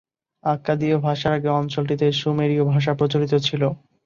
আক্কাদীয় ভাষার আগে অঞ্চলটিতে সুমেরীয় ভাষা প্রচলিত ছিল।